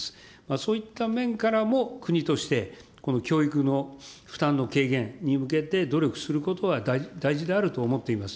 そういった面からも国として、この教育の負担の軽減に向けて、努力することは大事であると思っています。